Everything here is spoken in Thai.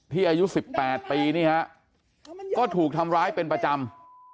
ที่อายุสิบแปดปีนี่ฮะก็ถูกทำร้ายเป็นประจำ